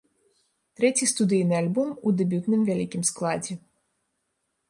Трэці студыйны альбом у дэбютным вялікім складзе.